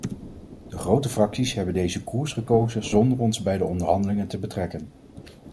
De grote fracties hebben deze koers gekozen zonder ons bij de onderhandelingen te betrekken.